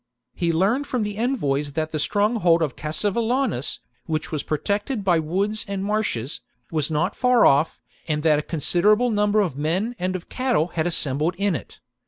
He learned from the envoys that ''^'^°"^° the stronghold of Cassivellaunus, which was pro [St, tected by woods and marshes, was not far off, and that a considerable number of men and of cattle had assembled in it.